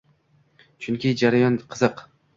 Chunki jarayon qiziq.